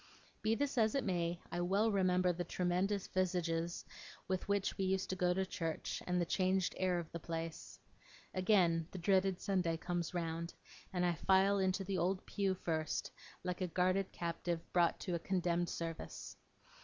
Be this as it may, I well remember the tremendous visages with which we used to go to church, and the changed air of the place. Again, the dreaded Sunday comes round, and I file into the old pew first, like a guarded captive brought to a condemned service.